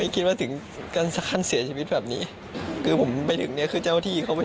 ก็มันรับไม่ได้คือผมรู้แค่ว่า